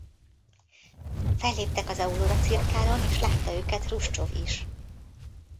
Felléptek az Auróra cirkálón és látta őket Hruscsov is.